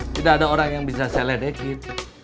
tidak ada orang yang bisa seledekin